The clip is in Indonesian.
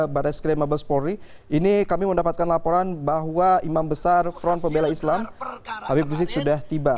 bara skirmables polri ini kami mendapatkan laporan bahwa imam besar front pebelai islam habib rizik sudah tiba